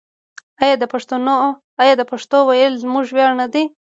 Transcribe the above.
آیا د پښتو ویل زموږ ویاړ نه دی؟